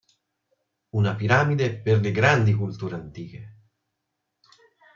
Una piramide per le grandi culture antiche.